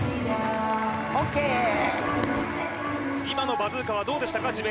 今のバズーカはどうでしたか？